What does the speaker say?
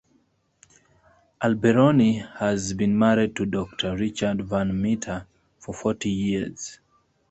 Alberoni has been married to Doctor Richard Van Meter for forty years.